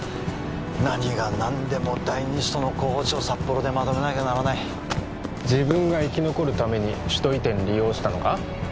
何が何でも第二首都の候補地を札幌でまとめなきゃならない自分が生き残るために首都移転利用したのか？